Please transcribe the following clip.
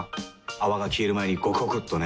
泡が消える前にゴクゴクっとね。